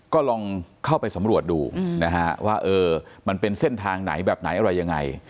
ก็ลองเข้าไปสำรวจดูนะฮะว่ามันเป็นเส้นทางไหนแบบไหนอะไรยังไง